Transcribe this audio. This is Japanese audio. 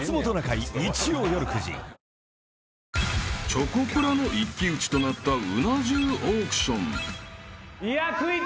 ［チョコプラの一騎打ちとなったうな重オークション］